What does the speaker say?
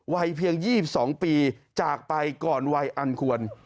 วัยเพียง๒๒ปีจากไปก่อนวัยอันควร